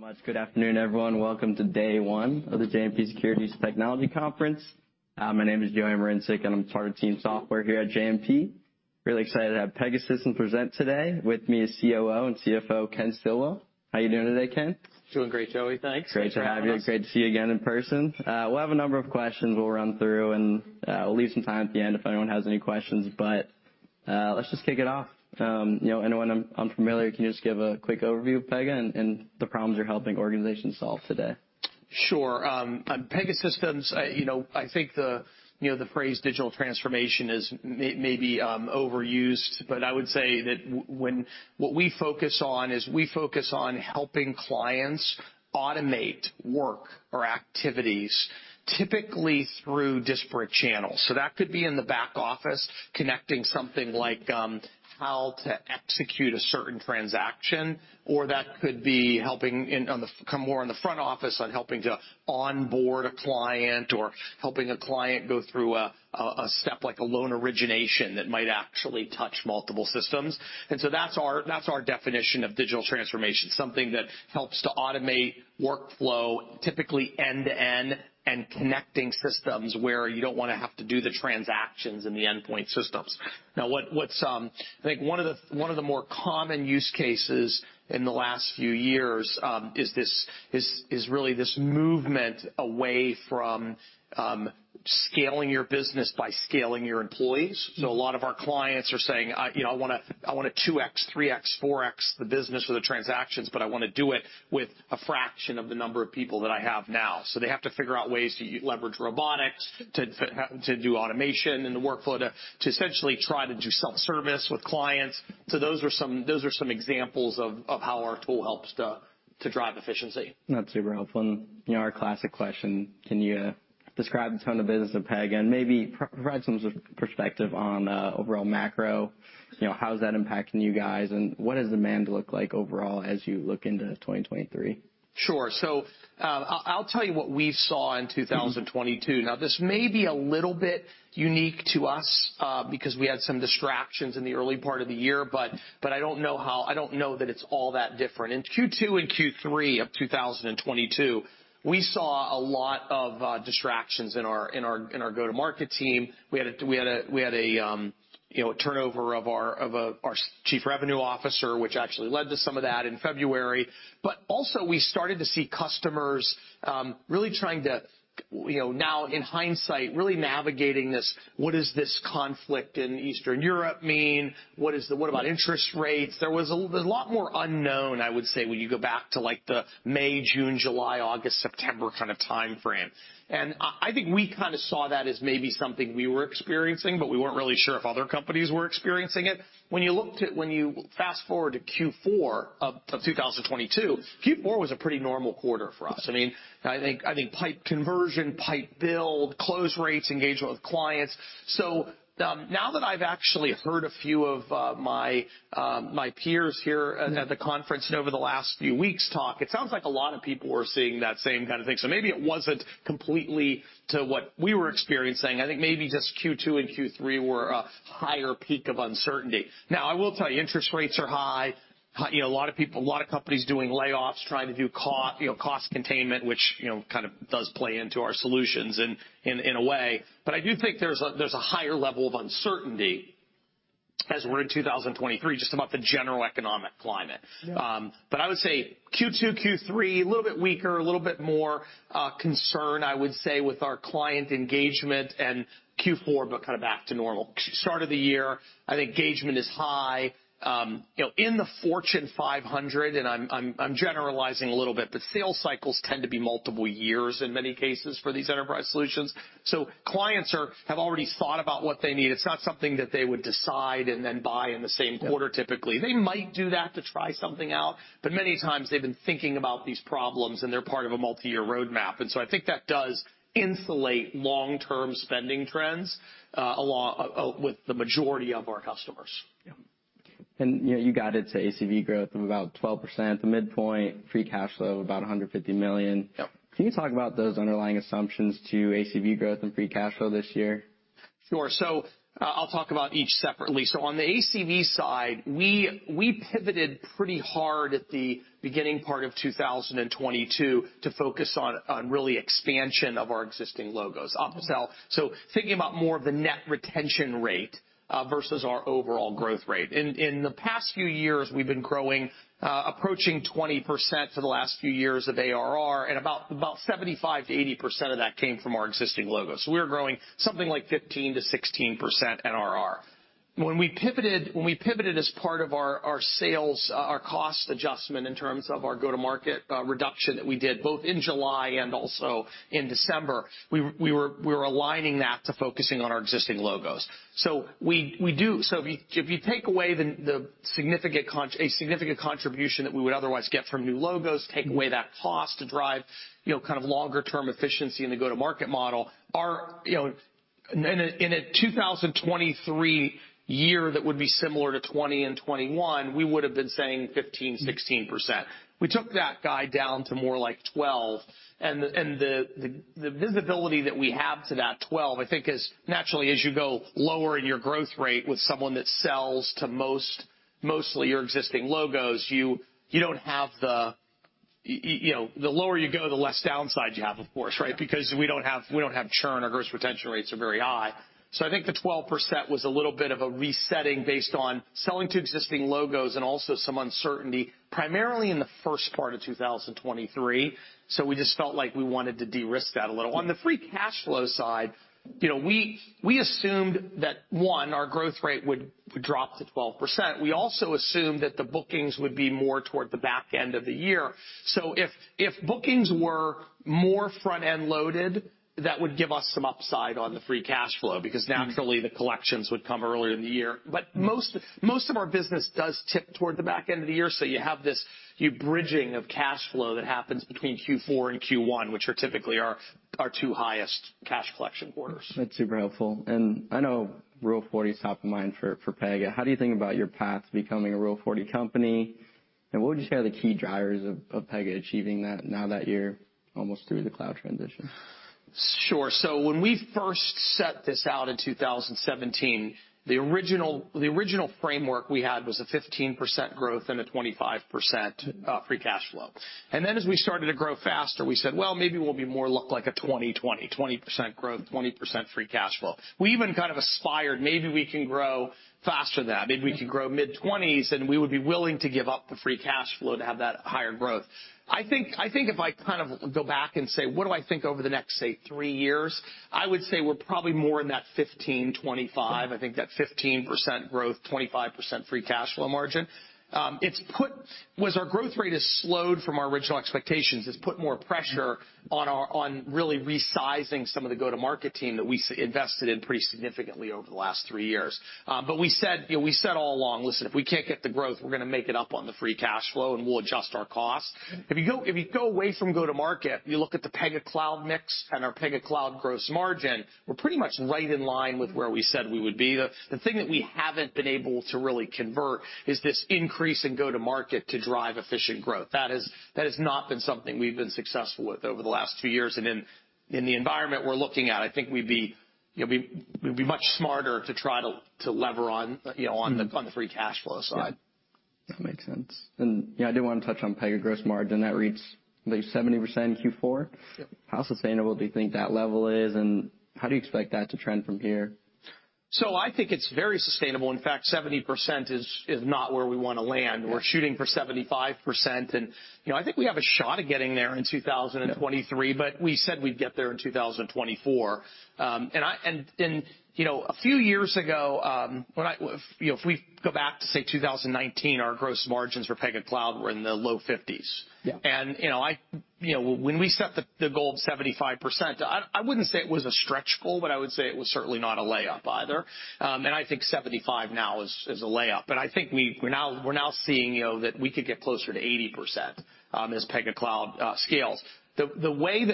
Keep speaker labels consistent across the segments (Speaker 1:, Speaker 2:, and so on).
Speaker 1: Much. Good afternoon, everyone. Welcome to day one of the JMP Securities Technology Conference. My name is Joey Marincik, and I am part of team software here at JMP. Really excited to have Pegasystems present today. With me is COO and CFO Kenneth Stillwell. How are you doing today, Ken?
Speaker 2: Doing great, Joey. Thanks.
Speaker 1: Great to have you. Great to see you again in person. We'll have a number of questions we'll run through, and, we'll leave some time at the end if anyone has any questions. Let's just kick it off. You know, anyone unfamiliar, can you just give a quick overview of Pegasystems and the problems you're helping organizations solve today?
Speaker 2: Sure. At Pegasystems, you know, I think the, you know, the phrase digital transformation is maybe overused. I would say that when what we focus on is we focus on helping clients automate work or activities typically through disparate channels. That could be in the back office, connecting something like how to execute a certain transaction, or that could be helping in on the more on the front office on helping to onboard a client or helping a client go through a step like a loan origination that might actually touch multiple systems. That's our, that's our definition of digital transformation, something that helps to automate workflow, typically end-to-end and connecting systems where you don't wanna have to do the transactions in the endpoint systems. Now, what's... I think one of the more common use cases in the last few years, is this, is really this movement away from scaling your business by scaling your employees. A lot of our clients are saying, you know, "I wanna 2x, 3x, 4x the business or the transactions, but I wanna do it with a fraction of the number of people that I have now." They have to figure out ways to leverage robotics, to do automation in the workflow, to essentially try to do self-service with clients. Those are some examples of how our tool helps to drive efficiency.
Speaker 1: That's super helpful. You know, our classic question, can you describe the tone of business of Pegasystems and maybe provide some perspective on overall macro? You know, how is that impacting you guys, and what does demand look like overall as you look into 2023?
Speaker 2: Sure. I'll tell you what we saw in 2022. Now, this may be a little bit unique to us, because we had some distractions in the early part of the year, but I don't know that it's all that different. In Q2 and Q3 of 2022, we saw a lot of distractions in our go-to-market team. We had a, you know, turnover of our Chief Revenue Officer, which actually led to some of that in February. Also, we started to see customers, really trying to, you know, now in hindsight, really navigating this, what does this conflict in Eastern Europe mean? What about interest rates? There was a lot more unknown, I would say, when you go back to, like, the May, June, July, August, September kind of timeframe. I think we kinda saw that as maybe something we were experiencing, but we weren't really sure if other companies were experiencing it. When you fast-forward to Q4 of 2022, Q4 was a pretty normal quarter for us. I mean, I think pipe conversion, pipe build, close rates, engagement with clients. Now that I've actually heard a few of my peers here at the conference and over the last few weeks talk, it sounds like a lot of people were seeing that same kind of thing. Maybe it wasn't completely to what we were experiencing. I think maybe just Q2 and Q3 were a higher peak of uncertainty. Now, I will tell you, interest rates are high. You know, a lot of people, a lot of companies doing layoffs, trying to do you know, cost containment, which, you know, kind of does play into our solutions in a way. I do think there's a higher level of uncertainty as we're in 2023, just about the general economic climate.
Speaker 1: Yeah.
Speaker 2: I would say Q2, Q3, a little bit weaker, a little bit more concern, I would say, with our client engagement, and Q4, we're kind of back to normal. Start of the year, I think engagement is high. You know, in the Fortune 500, and I'm generalizing a little bit, but sales cycles tend to be multiple years in many cases for these enterprise solutions. Clients have already thought about what they need. It's not something that they would decide and then buy in the same quarter typically. They might do that to try something out, but many times they've been thinking about these problems, and they're part of a multi-year roadmap. I think that does insulate long-term spending trends along with the majority of our customers.
Speaker 1: Yeah. you know, you guided to ACV growth of about 12%, the midpoint, free cash flow of about $150 million.
Speaker 2: Yep.
Speaker 1: Can you talk about those underlying assumptions to ACV growth and free cash flow this year?
Speaker 2: Sure. I'll talk about each separately. On the ACV side, we pivoted pretty hard at the beginning part of 2022 to focus on really expansion of our existing logos, upsell. Thinking about more of the net retention rate versus our overall growth rate. In the past few years, we've been growing approaching 20% for the last few years of ARR, and about 75%-80% of that came from our existing logos. We are growing something like 15%-16% NRR. When we pivoted as part of our sales our cost adjustment in terms of our go-to-market reduction that we did both in July and also in December, we were aligning that to focusing on our existing logos. We do... If you take away the significant contribution that we would otherwise get from new logos, take away that cost to drive, you know, kind of longer-term efficiency in the go-to-market model, our, you know. In a 2023 year that would be similar to 2020 and 2021, we would've been saying 15%, 16%. We took that guide down to more like 12%, the visibility that we have to that 12%, I think is naturally as you go lower in your growth rate with someone that sells to mostly your existing logos. You don't have. You know, the lower you go, the less downside you have, of course, right?
Speaker 1: Yeah.
Speaker 2: We don't have churn. Our gross retention rates are very high. I think the 12% was a little bit of a resetting based on selling to existing logos and also some uncertainty, primarily in the first part of 2023. We just felt like we wanted to de-risk that a little. On the free cash flow side, you know, we assumed that, one, our growth rate would drop to 12%. We also assumed that the bookings would be more toward the back end of the year. If bookings were more front-end loaded, that would give us some upside on the free cash flow, because naturally the collections would come earlier in the year. Most of our business does tip toward the back end of the year, so you have this... You're bridging of cash flow that happens between Q4 and Q1, which are typically our two highest cash collection quarters.
Speaker 1: That's super helpful. I know Rule 40 is top of mind for Pegasystems. How do you think about your path to becoming a Rule 40 company, and what would you say are the key drivers of Pegasystems achieving that now that you're almost through the cloud transition?
Speaker 2: Sure. When we first set this out in 2017, the original framework we had was a 15% growth and a 25% free cash flow. As we started to grow faster, we said, "Well, maybe we'll be more look like a 20/20. 20% growth, 20% free cash flow." We even kind of aspired, maybe we can grow faster than that. Maybe we can grow mid-20s, and we would be willing to give up the free cash flow to have that higher growth. I think if I kind of go back and say, what do I think over the next, say, three years, I would say we're probably more in that 15/25. I think that 15% growth, 25% free cash flow margin. It's put... As our growth rate has slowed from our original expectations, it's put more pressure on really resizing some of the go-to-market team that we invested in pretty significantly over the last three years. We said, you know, we said all along, "Listen, if we can't get the growth, we're gonna make it up on the free cash flow, and we'll adjust our costs." If you go, if you go away from go-to-market, you look at the Pega Cloud mix and our Pega Cloud gross margin, we're pretty much right in line with where we said we would be. The thing that we haven't been able to really convert is this increase in go-to-market to drive efficient growth. That has not been something we've been successful with over the last few years. In the environment we're looking at, I think we'd be, you know, we'd be much smarter to try to lever on, you know, on the free cash flow side.
Speaker 1: Yeah. That makes sense. You know, I do want to touch on Pegasystems gross margin. That reached 70% in Q4.
Speaker 2: Yep.
Speaker 1: How sustainable do you think that level is, and how do you expect that to trend from here?
Speaker 2: I think it's very sustainable. In fact, 70% is not where we wanna land. We're shooting for 75%. You know, I think we have a shot of getting there in 2023. We said we'd get there in 2024. You know, a few years ago, you know, if we go back to, say, 2019, our gross margins for Pega Cloud were in the low 50s.
Speaker 1: Yeah.
Speaker 2: You know, when we set the goal of 75%, I wouldn't say it was a stretch goal, but I would say it was certainly not a layup either. I think 75% now is a layup. I think we're now seeing, you know, that we could get closer to 80% as Pega Cloud scales. The way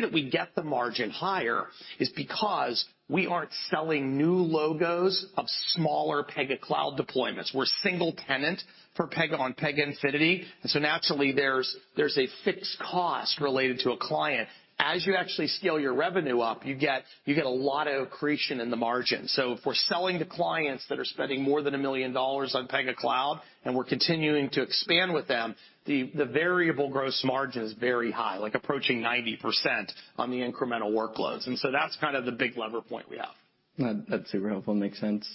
Speaker 2: that we get the margin higher is because we aren't selling new logos of smaller Pega Cloud deployments. We're single-tenant for Pega on Pega Infinity, naturally there's a fixed cost related to a client. As you actually scale your revenue up, you get a lot of accretion in the margin. If we're selling to clients that are spending more than $1 million on Pega Cloud, and we're continuing to expand with them, the variable gross margin is very high, like approaching 90% on the incremental workloads, that's kind of the big lever point we have.
Speaker 1: That's super helpful. Makes sense.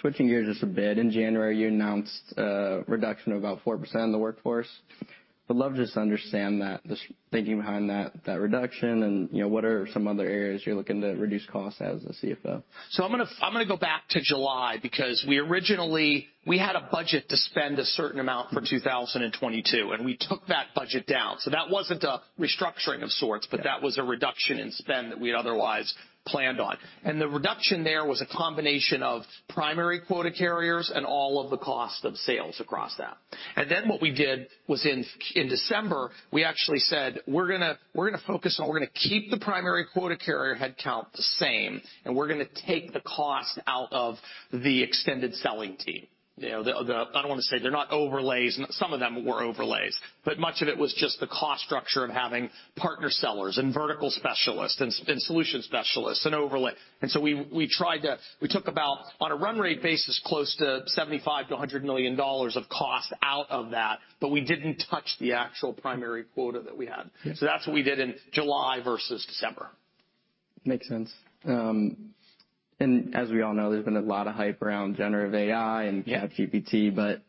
Speaker 1: Switching gears just a bit. In January, you announced a reduction of about 4% of the workforce. I'd love just to understand that, the thinking behind that reduction and, you know, what are some other areas you're looking to reduce costs as a CFO.
Speaker 2: I'm gonna go back to July, because we originally. We had a budget to spend a certain amount for 2022, and we took that budget down. That wasn't a restructuring of sorts, but that was a reduction in spend that we had otherwise planned on. The reduction there was a combination of primary quota carriers and all of the cost of sales across that. What we did was in December, we actually said, "We're gonna focus on. We're gonna keep the primary quota carrier headcount the same, and we're gonna take the cost out of the extended selling team." You know, the. I don't wanna say, they're not overlays. Some of them were overlays, but much of it was just the cost structure of having partner sellers and vertical specialists and solution specialists and overlay. We took about, on a run rate basis, close to $75 million-$100 million of cost out of that, but we didn't touch the actual primary quota that we had.
Speaker 1: Yeah.
Speaker 2: That's what we did in July versus December.
Speaker 1: Makes sense. As we all know, there's been a lot of hype around generative AI and ChatGPT, but,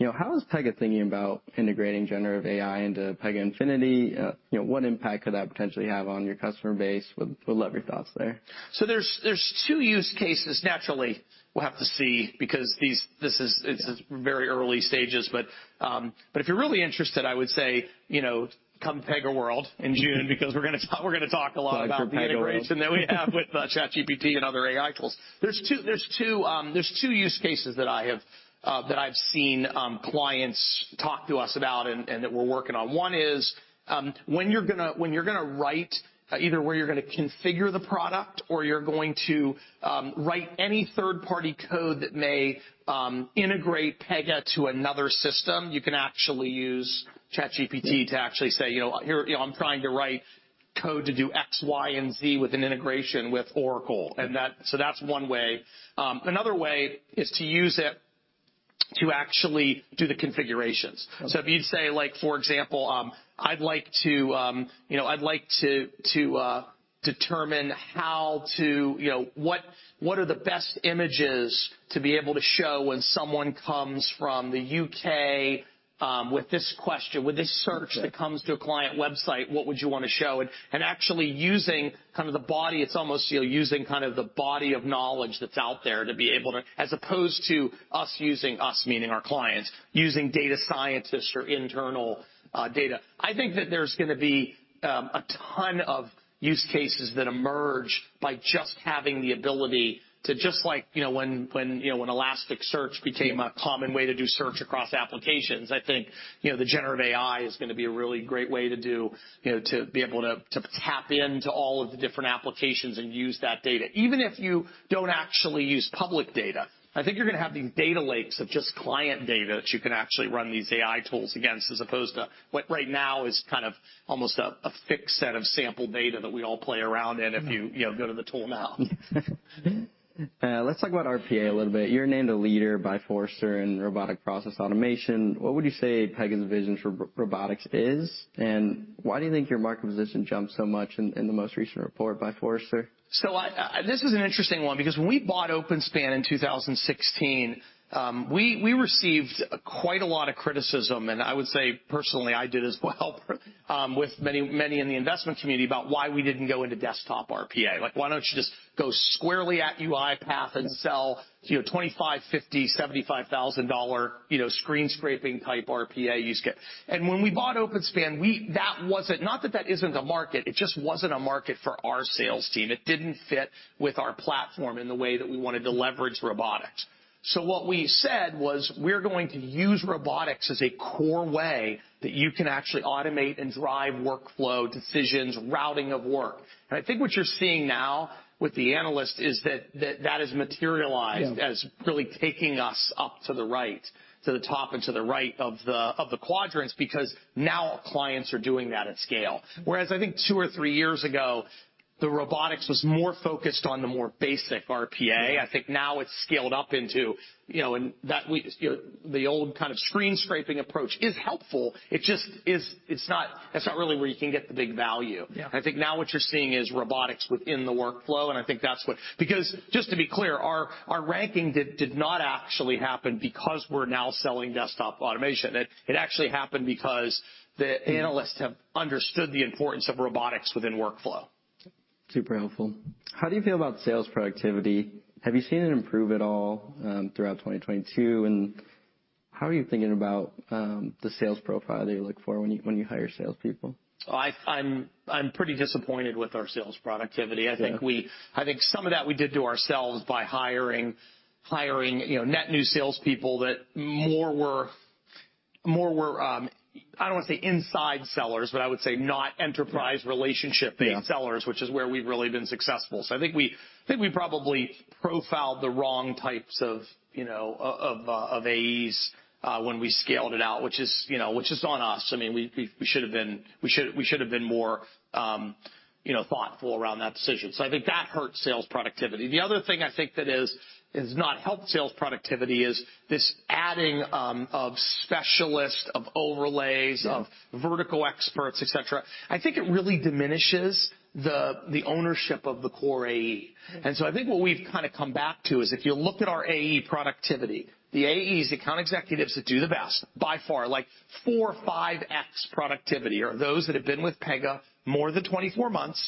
Speaker 1: you know, how is Pegasystems thinking about integrating generative AI into Pega Infinity? You know, what impact could that potentially have on your customer base? Would love your thoughts there.
Speaker 2: There's two use cases. Naturally, we'll have to see because this is.
Speaker 1: Yeah.
Speaker 2: It's very early stages. If you're really interested, I would say, you know, come PegaWorld in June, because we're gonna talk a lot about.
Speaker 1: Bug for PegaWorld.
Speaker 2: the integration that we have with ChatGPT and other AI tools. There's two use cases that I've seen clients talk to us about and that we're working on. One is, when you're gonna write, either where you're gonna configure the product or you're going to write any third-party code that may integrate Pegasystems to another system, you can actually use ChatGPT to actually say, you know, "Here, you know, I'm trying to write code to do X, Y, and Z with an integration with Oracle. That's one way. Another way is to use it to actually do the configurations. If you'd say like, for example, I'd like to, you know, I'd like to determine how to, you know... What are the best images to be able to show when someone comes from the U.K., with this question, with this search that comes to a client website, what would you want to show? And, actually using kind of the body, it's almost, you know, using kind of the body of knowledge that's out there to be able to, as opposed to us using, us meaning our clients, using data scientists or internal, data. I think that there's gonna be a ton of use cases that emerge by just having the ability to just like, you know, when, you know, when Elasticsearch became a common way to do search across applications. I think, you know, the generative AI is gonna be a really great way to do, you know, to be able to tap into all of the different applications and use that data. Even if you don't actually use public data, I think you're gonna have these data lakes of just client data that you can actually run these AI tools against as opposed to what right now is kind of almost a fixed set of sample data that we all play around in if you know, go to the tool now.
Speaker 1: Let's talk about RPA a little bit. You're named a leader by Forrester in robotic process automation. What would you say Pegasystems' vision for robotics is, and why do you think your market position jumped so much in the most recent report by Forrester?
Speaker 2: I, this is an interesting one because when we bought OpenSpan in 2016, we received quite a lot of criticism, and I would say personally I did as well, with many, many in the investment community about why we didn't go into desktop RPA. Like, why don't you just go squarely at UiPath and sell, you know, $25,000, $50,000, $75,000, you know, screen scraping type RPA use. When we bought OpenSpan, that wasn't. Not that that isn't a market, it just wasn't a market for our sales team. It didn't fit with our platform in the way that we wanted to leverage robotics. What we said was we're going to use robotics as a core way that you can actually automate and drive workflow decisions, routing of work. I think what you're seeing now with the analyst is that has materialized.
Speaker 1: Yeah.
Speaker 2: As really taking us up to the right, to the top and to the right of the quadrants because now clients are doing that at scale. Whereas I think two or three years ago, the robotics was more focused on the more basic RPA. I think now it's scaled up into, you know, and that we, you know, the old kind of screen scraping approach is helpful. It just is. It's not really where you can get the big value.
Speaker 1: Yeah.
Speaker 2: I think now what you're seeing is robotics within the workflow. Because just to be clear, our ranking did not actually happen because we're now selling desktop automation. It actually happened because the analysts have understood the importance of robotics within workflow.
Speaker 1: Super helpful. How do you feel about sales productivity? Have you seen it improve at all, throughout 2022? How are you thinking about the sales profile that you look for when you, when you hire salespeople?
Speaker 2: I'm pretty disappointed with our sales productivity.
Speaker 1: Yeah.
Speaker 2: I think some of that we did to ourselves by hiring, you know, net new salespeople that more were, I don't wanna say inside sellers, but I would say not enterprise relationship-
Speaker 1: Yeah.
Speaker 2: -based sellers, which is where we've really been successful. I think we, think we probably profiled the wrong types of, you know, of AEs, when we scaled it out, which is, you know, which is on us. I mean, we should've been more, you know, thoughtful around that decision. I think that hurt sales productivity. The other thing I think that has not helped sales productivity is this adding, of specialists, of overlays-
Speaker 1: Yeah.
Speaker 2: -of vertical experts, et cetera. I think it really diminishes the ownership of the core AE.
Speaker 1: Mm-hmm.
Speaker 2: I think what we've kind of come back to is if you look at our AE productivity, the AEs, account executives that do the best by far, like 4x, 5x productivity, are those that have been with Pegasystems more than 24 months,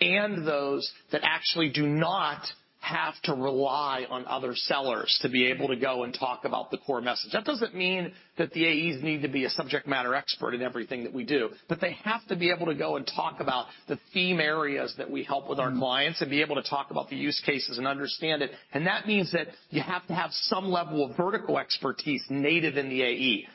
Speaker 2: and those that actually do not have to rely on other sellers to be able to go and talk about the core message. That doesn't mean that the AEs need to be a subject matter expert in everything that we do, but they have to be able to go and talk about the theme areas that we help with our clients and be able to talk about the use cases and understand it. That means that you have to have some level of vertical expertise native in the AE.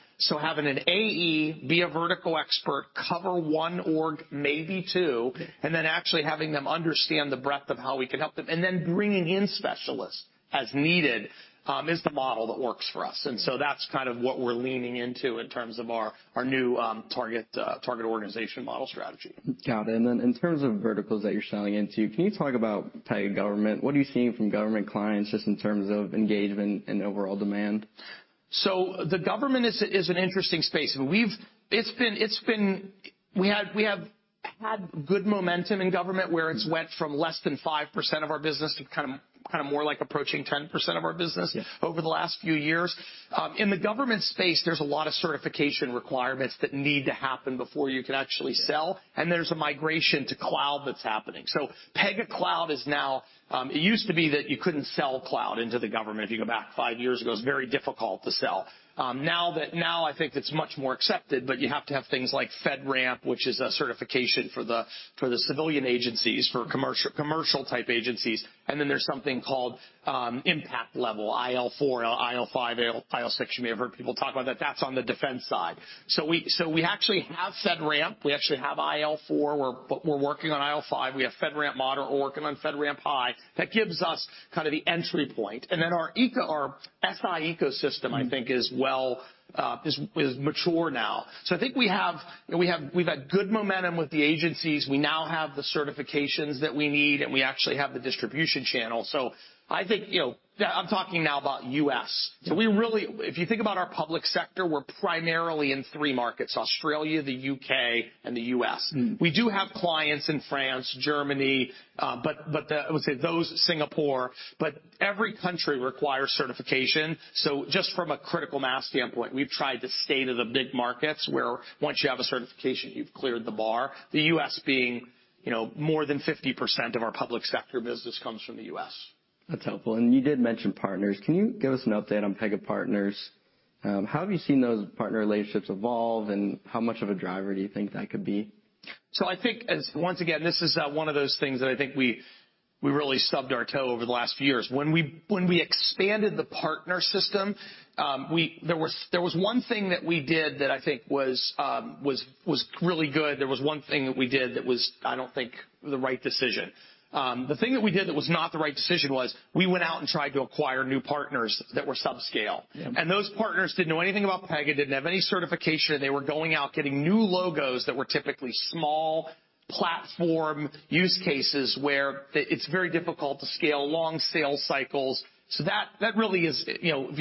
Speaker 2: Having an AE be a vertical expert, cover one org, maybe two, and then actually having them understand the breadth of how we can help them, and then bringing in specialists as needed, is the model that works for us. That's kind of what we're leaning into in terms of our new, target organization model strategy.
Speaker 1: Got it. In terms of verticals that you're selling into, can you talk about Pega Government? What are you seeing from government clients just in terms of engagement and overall demand?
Speaker 2: The government is an interesting space. We've It's been We have had good momentum in government where it's went from less than 5% of our business to kind of more like approaching 10% of our business-
Speaker 1: Yeah.
Speaker 2: over the last few years. In the government space, there's a lot of certification requirements that need to happen before you can actually sell, and there's a migration to cloud that's happening. Pega Cloud is now, it used to be that you couldn't sell cloud into the government. If you go back five years ago, it was very difficult to sell. Now that, now I think it's much more accepted, but you have to have things like FedRAMP, which is a certification for the civilian agencies, for commercial type agencies. Then there's something called impact level, IL4, IL5, IL6. You may have heard people talk about that. That's on the defense side. We actually have FedRAMP, we actually have IL4. But we're working on IL5. We have FedRAMP Moderate. We're working on FedRAMP High. That gives us kind of the entry point. Our SI ecosystem, I think, is well, is mature now. I think we have, you know, we've had good momentum with the agencies. We now have the certifications that we need, and we actually have the distribution channel. I think, you know, I'm talking now about U.S. If you think about our public sector, we're primarily in three markets, Australia, the U.K., and the U.S.
Speaker 1: Mm-hmm.
Speaker 2: We do have clients in France, Germany, but the... I would say those, Singapore, but every country requires certification. Just from a critical mass standpoint, we've tried to stay to the big markets, where once you have a certification, you've cleared the bar. The U.S. being, you know, more than 50% of our public sector business comes from the U.S.
Speaker 1: That's helpful. You did mention partners. Can you give us an update on Pega Partners? How have you seen those partner relationships evolve, and how much of a driver do you think that could be?
Speaker 2: I think as, once again, this is one of those things that I think we really stubbed our toe over the last few years. We expanded the partner system, there was one thing that we did that I think was really good. There was one thing that we did that was, I don't think the right decision. The thing that we did that was not the right decision was we went out and tried to acquire new partners that were subscale.
Speaker 1: Yeah.
Speaker 2: Those partners didn't know anything about Pegasystems, didn't have any certification, they were going out getting new logos that were typically small platform use cases where it's very difficult to scale long sales cycles. That really is, you know, if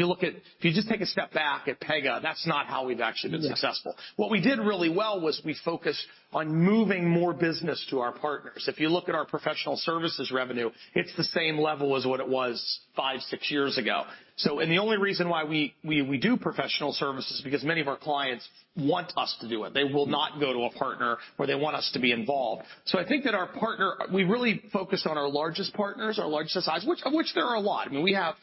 Speaker 2: you just take a step back at Pegasystems, that's not how we've actually been successful.
Speaker 1: Yeah.
Speaker 2: What we did really well was we focused on moving more business to our partners. If you look at our professional services revenue, it's the same level as what it was five, six years ago. The only reason why we do professional services, because many of our clients want us to do it. They will not go to a partner or they want us to be involved. I think that our partner, we really focus on our largest partners, our largest size, which, of which there are a lot. I mean, we have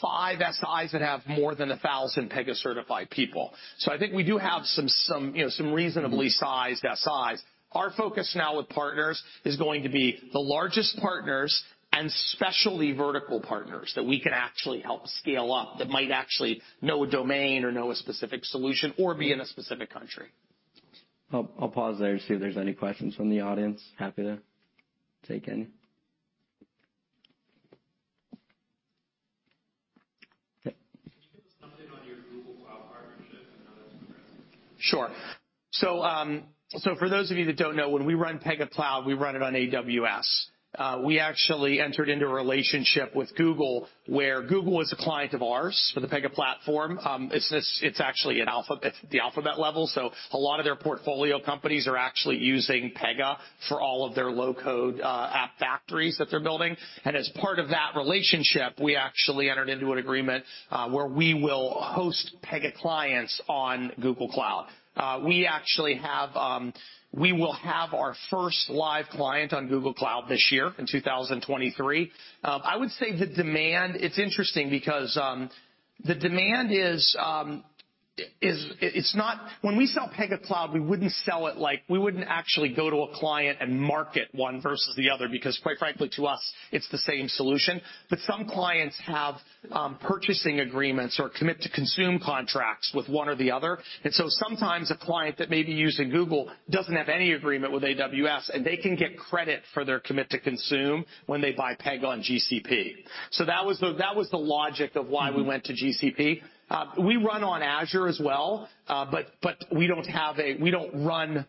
Speaker 2: five SIs that have more than 1,000 Pega-certified people. I think we do have some, you know, some reasonably sized SIs. Our focus now with partners is going to be the largest partners and specialty vertical partners that we can actually help scale up that might actually know a domain or know a specific solution or be in a specific country.
Speaker 1: I'll pause there to see if there's any questions from the audience. Happy to take any. Okay. Can you give us something on your Google Cloud partnership and how that's progressing?
Speaker 2: Sure. For those of you that don't know, when we run Pega Cloud, we run it on AWS. We actually entered into a relationship with Google, where Google was a client of ours for the Pega Platform. It's actually at Alphabet, the Alphabet level. A lot of their portfolio companies are actually using Pega for all of their low-code app factories that they're building. As part of that relationship, we actually entered into an agreement, where we will host Pega clients on Google Cloud. We will have our first live client on Google Cloud this year in 2023. I would say the demand, it's interesting because the demand is. When we sell Pega Cloud, we wouldn't sell it like we wouldn't actually go to a client and market one versus the other because quite frankly to us, it's the same solution. Some clients have purchasing agreements or commit-to-consume contracts with one or the other. Sometimes a client that may be using Google doesn't have any agreement with AWS, and they can get credit for their commit-to-consume when they buy Pega on GCP. That was the logic of why we went to GCP. We run on Azure as well, but we don't run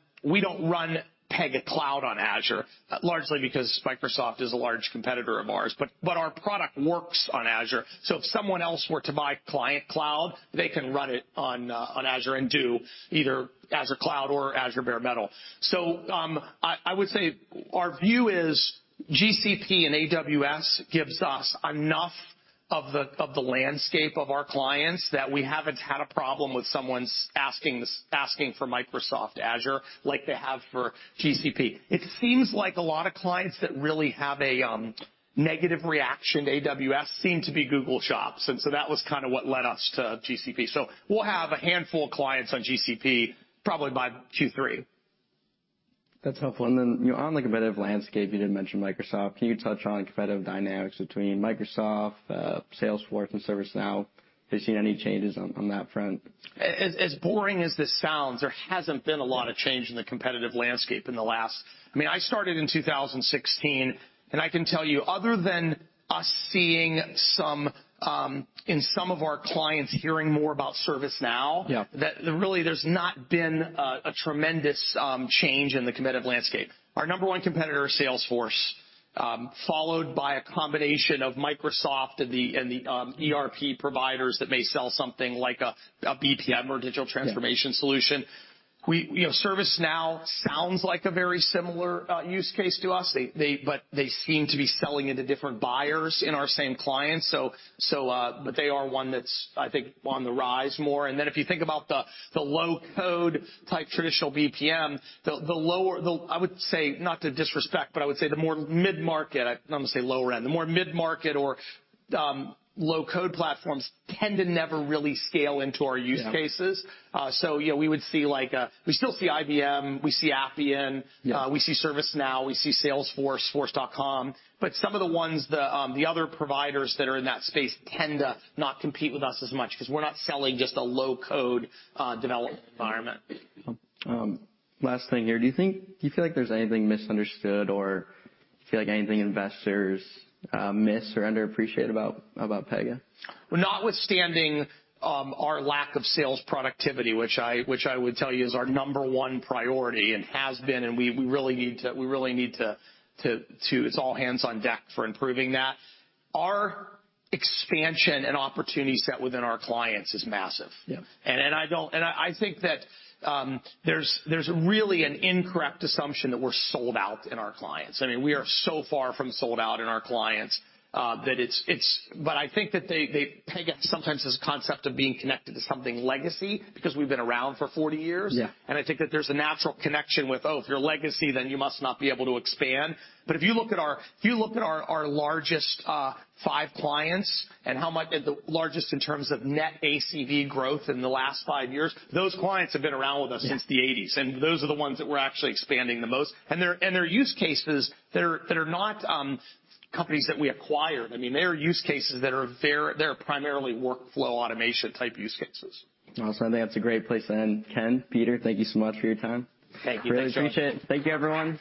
Speaker 2: Pega Cloud on Azure, largely because Microsoft is a large competitor of ours. Our product works on Azure. If someone else were to buy Pega Cloud, they can run it on Azure and do either Azure Cloud or Azure Bare Metal Infrastructure. I would say our view is GCP and AWS gives us enough of the landscape of our clients that we haven't had a problem with someone's asking for Microsoft Azure like they have for GCP. It seems like a lot of clients that really have a negative reaction to AWS seem to be Google shops, and so that was kinda what led us to GCP. We'll have a handful of clients on GCP probably by Q3.
Speaker 1: That's helpful. Then, you know, on the competitive landscape, you did mention Microsoft. Can you touch on competitive dynamics between Microsoft, Salesforce and ServiceNow? Have you seen any changes on that front?
Speaker 2: As boring as this sounds, there hasn't been a lot of change in the competitive landscape in the last I mean, I started in 2016, and I can tell you, other than us seeing some, in some of our clients hearing more about ServiceNow-
Speaker 1: Yeah.
Speaker 2: that really there's not been a tremendous change in the competitive landscape. Our number one competitor is Salesforce, followed by a combination of Microsoft and the ERP providers that may sell something like a BPM or digital transformation solution.
Speaker 1: Yeah.
Speaker 2: We, you know, ServiceNow sounds like a very similar use case to us, but they seem to be selling into different buyers in our same clients. But they are one that's, I think, on the rise more. Then if you think about the low-code type traditional BPM, the I would say, not to disrespect, but I would say the more mid-market, I'm gonna say lower end, the more mid-market or low-code platforms tend to never really scale into our use cases.
Speaker 1: Yeah.
Speaker 2: You know, we would see like, we still see IBM, we see Appian.
Speaker 1: Yeah.
Speaker 2: We see ServiceNow, we see Salesforce, Force.com. Some of the ones the other providers that are in that space tend to not compete with us as much 'cause we're not selling just a low-code development environment.
Speaker 1: Last thing here. Do you feel like there's anything misunderstood or do you feel like anything investors miss or underappreciate about Pegasystems?
Speaker 2: Notwithstanding, our lack of sales productivity, which I would tell you is our number one priority and has been, and we really need to. It's all hands on deck for improving that. Our expansion and opportunity set within our clients is massive.
Speaker 1: Yeah.
Speaker 2: I think that there's really an incorrect assumption that we're sold out in our clients. I mean, we are so far from sold out in our clients that I think that Pega sometimes has this concept of being connected to something legacy because we've been around for 40 years.
Speaker 1: Yeah.
Speaker 2: I think that there's a natural connection with, oh, if you're legacy, then you must not be able to expand. If you look at our largest five clients and how much the largest in terms of net ACV growth in the last five years, those clients have been around with us since the eighties.
Speaker 1: Yeah.
Speaker 2: Those are the ones that we're actually expanding the most. They're use cases that are not companies that we acquired. I mean, they are use cases that are primarily workflow automation type use cases.
Speaker 1: I think that's a great place to end. Ken, Peter, thank you so much for your time.
Speaker 2: Thank you. Thanks, Joey.
Speaker 1: Really appreciate it. Thank you, everyone.